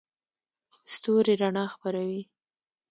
ستوري رڼا خپروي.